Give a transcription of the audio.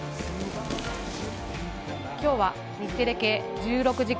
今日は日テレ系１６時間